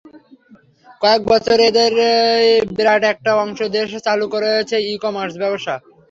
কয়েক বছরে এদেরই বিরাট একটা অংশ দেশে চালু করেছে ই-কমার্স ব্যবসা।